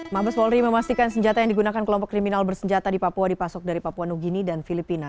mabes polri memastikan senjata yang digunakan kelompok kriminal bersenjata di papua dipasok dari papua new guine dan filipina